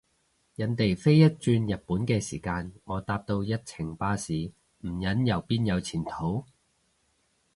人哋飛一轉日本嘅時間，我搭到一程巴士，唔忍又邊有前途？